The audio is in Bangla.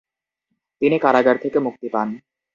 তিনি কারাগার থেকে মুক্তি পান।